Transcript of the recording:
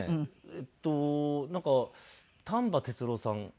えっとなんか丹波哲郎さん。